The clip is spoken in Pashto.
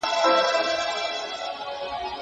هره ورځ غونډې جوړېدلې.